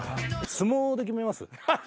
相撲で決めます？